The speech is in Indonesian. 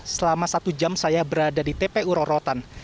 selama satu jam saya berada di tpu rorotan